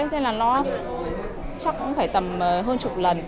nên là nó chắc cũng phải tầm hơn chục lần